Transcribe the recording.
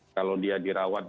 kalau dia dirawat muka